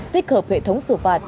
tích hợp hệ thống xử phạt